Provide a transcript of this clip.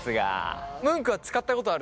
ムンクは使ったことある？